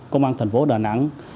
công an thành phố đà nẵng